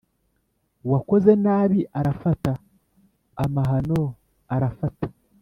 uwakoze nabi arafata, amahano arafata.